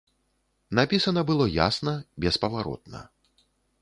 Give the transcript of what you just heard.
Напісана было ясна, беспаваротна.